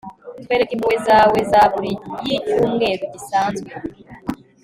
twereke impuhwe zawezaburi y'icyumweru gisanzwe